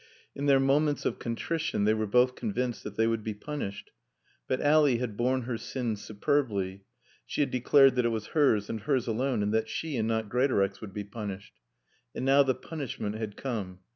In their moments of contrition they were both convinced that they would be punished. But Ally had borne her sin superbly; she had declared that it was hers and hers only, and that she and not Greatorex would be punished. And now the punishment had come.